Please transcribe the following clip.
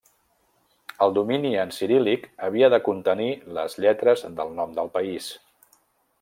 El domini en ciríl·lic havia de contenir les lletres del nom del país.